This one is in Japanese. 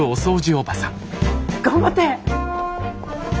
頑張って。